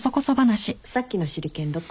さっきの手裏剣どこ？